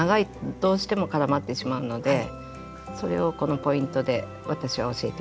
どうしても絡まってしまうのでそれをこのポイントで私は教えてます。